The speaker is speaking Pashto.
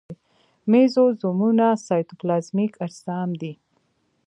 مېزوزومونه سایتوپلازمیک اجسام دي.